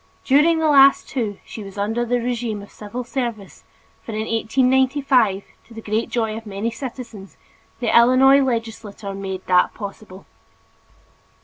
During the last two she was under the regime of civil service for in 1895, to the great joy of many citizens, the Illinois legislature made that possible.